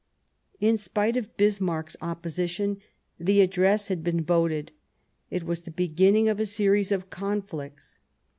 In spite of Bismarck's opposition the address had been voted. It was the beginning of a series of conflicts.